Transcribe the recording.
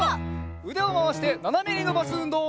うでをまわしてななめにのばすうんどう！